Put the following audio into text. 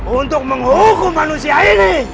untuk menghukum manusia ini